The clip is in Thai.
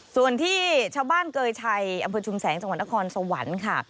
ส่วนที่ชาวบ้านเกรชัยอชูมแสงจังหวันอคนสะวรรค์ค่ะ